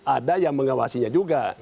ada yang mengawasinya juga